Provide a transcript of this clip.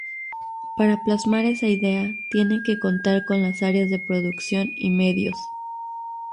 Para plasmar esa idea tienen que contar con las áreas de producción y medios.